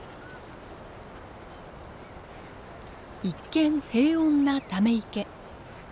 一見平穏なため池。